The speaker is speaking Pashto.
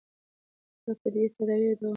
دا پدیدې تداوم او دوام لري.